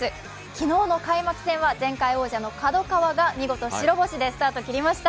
昨日の開幕戦は前回王者のＫＡＤＯＫＡＷＡが見事白星スタートしました。